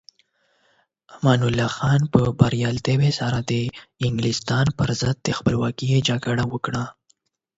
امان الله خان په بریالیتوب سره د انګلستان پر ضد د خپلواکۍ جګړه وکړه.